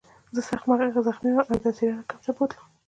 زه سخت زخمي وم او د اسیرانو کمپ ته یې بوتلم